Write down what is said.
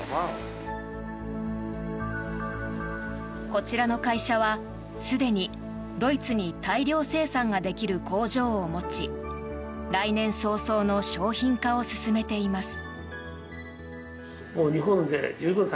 こちらの会社はすでにドイツに大量生産ができる工場を持ち来年早々の商品化を進めています。